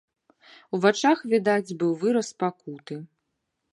У вачах відаць быў выраз пакуты.